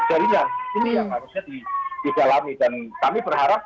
yang harusnya didalami dan kami berharap